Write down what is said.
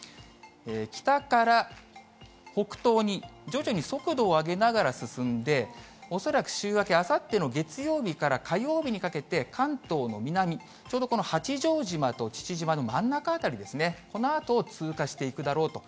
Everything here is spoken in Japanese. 北から北東に徐々に速度を上げながら進んで、恐らく週明けあさっての月曜日から火曜日にかけて関東の南、ちょうどこの八丈島と父島の真ん中辺りですね、このあと通過していくだろうと。